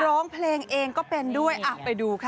ร้องเพลงเองก็เป็นด้วยไปดูค่ะ